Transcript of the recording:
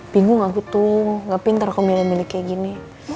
bingung aku tuh gak pintar aku milih milih kayak gini